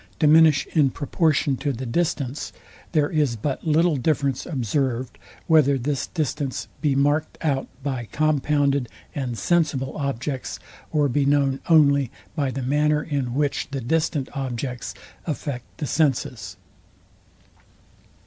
diminish in proportion to the distance; there is but little difference observed, whether this distance be marled out by compounded and sensible objects, or be known only by the manner, in which the distant objects affect the senses.